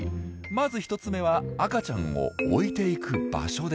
まず１つ目は赤ちゃんを置いていく場所です。